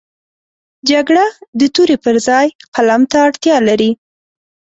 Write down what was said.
جګړه د تورې پر ځای قلم ته اړتیا لري